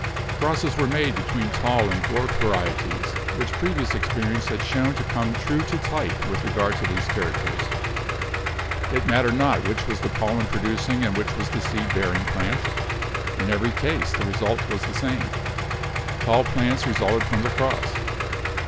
Crosses were made between tall and dwarf va rieties, which previous experience had shown to come true to type with regard to these characters. It mattered not which was the pollen producing and which the seed bear ing plant. In every case the result was the same. Tall plants resulted from the cross.